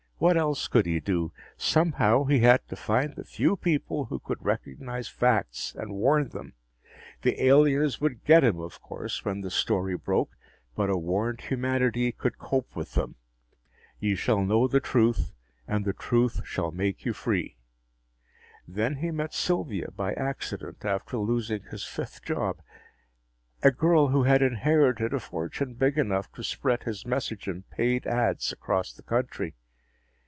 What else could he do? Somehow, he had to find the few people who could recognize facts and warn them. The aliens would get him, of course, when the story broke, but a warned humanity could cope with them. Ye shall know the truth, and the truth shall make you free. Then he met Sylvia by accident after losing his fifth job a girl who had inherited a fortune big enough to spread his message in paid ads across the country.